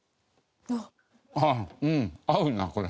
あっうん合うなこれ。